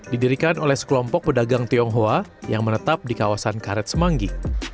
didirikan oleh sekelompok pedagang tionghoa yang menetap di kawasan karet semanggi